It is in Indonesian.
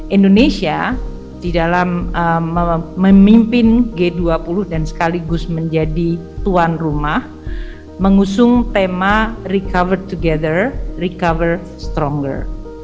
indonesia di dalam memimpin g dua puluh dan sekaligus menjadi tuan rumah mengusung tema recover together recover stronger